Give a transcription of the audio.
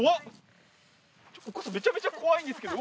お母さんめちゃめちゃ怖いんですけど。